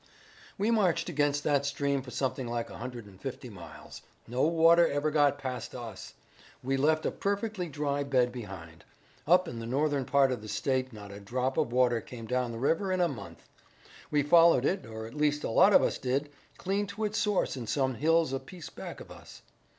"We marched against that stream for something like a hundred and fifty miles. No water ever got past us. We left a perfectly dry bed behind. Up in the northern part of the state not a drop of water came down the river in a month. We followed it, or at least a lot of us did, clean to its source in some hills a piece back of us.